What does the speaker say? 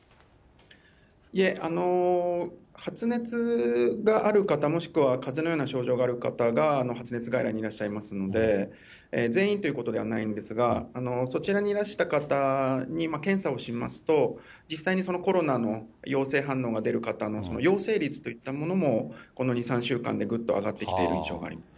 いえ、発熱がある方、もしくはかぜのような症状がある方が発熱外来にいらっしゃいますので、全員ということではないんですが、そちらにいらした方に、検査をしますと、実際にコロナの陽性反応が出る方の陽性率といったものも、この２、３週間でぐっと上がってきている印象があります。